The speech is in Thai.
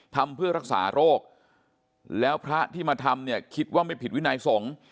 ทำเพื่อรักษาโรคแล้วพระที่มาทำเนี่ยคิดว่าไม่ผิดวินัยสงฆ์